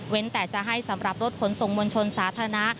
แต่จะให้สำหรับรถขนส่งมวลชนสาธารณะ